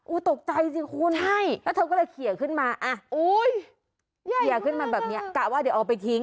ตกใจสิคุณใช่แล้วเธอก็เลยเขียขึ้นมาเขียขึ้นมาแบบนี้กะว่าเดี๋ยวเอาไปทิ้ง